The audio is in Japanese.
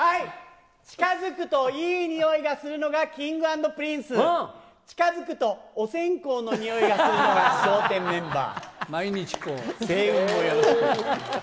近づくといい匂いがするのがＫｉｎｇ＆Ｐｒｉｎｃｅ、近づくとお線香の匂いがするのが笑点メンバー。